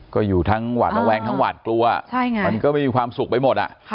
ก็อยู่ทั้งหวาดระแวงทั้งหวาดกลัวมันก็ไม่มีความสุขไปหมด